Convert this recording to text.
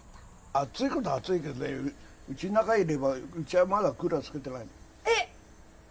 暑いことは暑いけど、うちの中に入れば、うちはまだクーラーえっ？